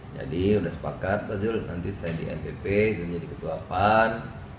jadi udah sepakat pak jules nanti saya di npp jadi ketua pan